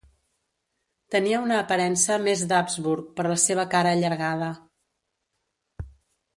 Tenia una aparença més d'Habsburg per la seva cara allargada.